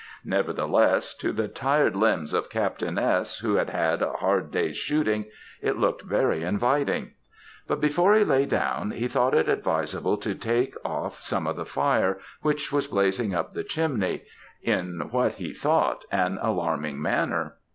"Nevertheless, to the tired limbs of Captain S., who had had a hard day's shooting, it looked very inviting; but before he lay down, he thought it advisable to take off some of the fire, which was blazing up the chimney, in what he thought, an alarming manner.